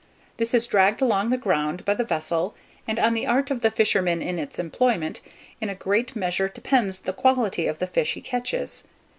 This is dragged along the ground by the vessel, and on the art of the fisherman in its employment, in a great measure depends the quality of the fish he catches.